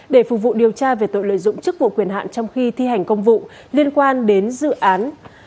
để phục vụ điều tra về tội lợi dụng chức vụ quyền hạn trong khi thi hành công vụ liên quan đến dự án